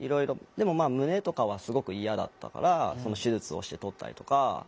でもまあ胸とかはすごく嫌だったから手術をして取ったりとか。